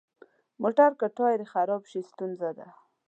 موټر که ټایر یې خراب شي، ستونزه ده.